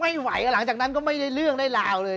ไม่ไหวหรอกหลังจากนั้นก็ไม่ได้เรื่องได้ราวเลย